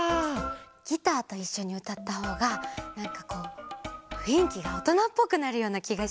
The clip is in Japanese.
ギターといっしょにうたったほうがなんかこうふんいきがおとなっぽくなるようなきがして。